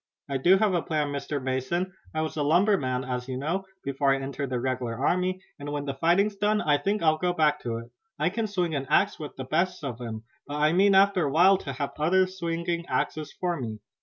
"I do have a plan, Mr. Mason. I was a lumberman, as you know, before I entered the regular army, and when the fighting's done I think I'll go back to it. I can swing an axe with the best of 'em, but I mean after a while to have others swinging axes for me.